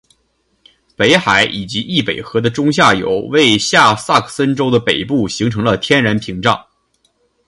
北海以及易北河的中下游为下萨克森州的北部形成了天然屏障。